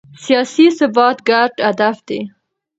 سیاسي ثبات ګډ هدف دی